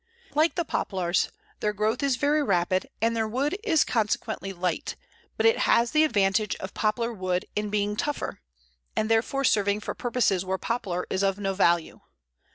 Like the Poplars, their growth is very rapid, and their wood is consequently light, but it has the advantage of Poplar wood in being tougher, and therefore serving for purposes where Poplar is of no value.